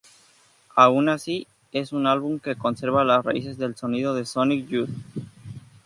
Aun así, es un álbum que conserva las raíces del sonido de Sonic Youth.